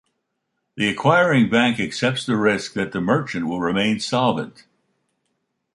The acquiring bank accepts the risk that the merchant will remain solvent.